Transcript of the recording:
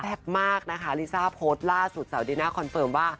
สวยโปรดล่าสุดเราคอนเฟิร์มว่าเพื่อนสีเอวบางสุดไปเลยเลยค่ะ